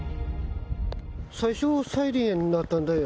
最初、サイレン鳴ったんだよ。